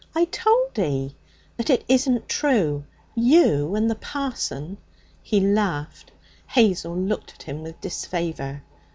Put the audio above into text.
'I told 'ee.' 'But it isn't true. You and the parson!' He laughed. Hazel looked at him with disfavour.